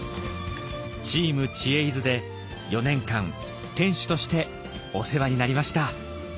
チーム「知恵泉」で４年間店主としてお世話になりました。